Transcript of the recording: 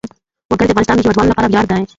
وګړي د افغانستان د هیوادوالو لپاره ویاړ دی.